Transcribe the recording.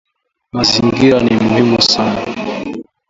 Mazingira ni muhimu sana.